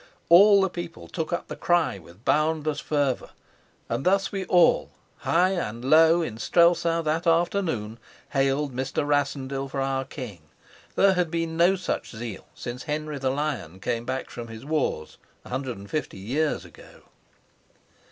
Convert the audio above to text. All the people took up the cry with boundless fervor, and thus we all, high and low in Strelsau, that afternoon hailed Mr. Rassendyll for our king. There had been no such zeal since Henry the Lion came back from his wars, a hundred and fifty years ago.